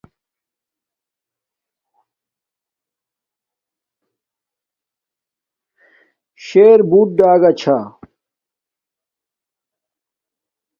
شر بوٹ ڈگا چھا